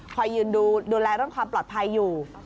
ยืนดูแลเรื่องความปลอดภัยอยู่